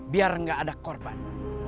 biar gak ada korban